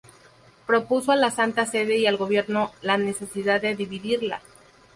Propuso a la Santa Sede y al gobierno la necesidad de dividirla.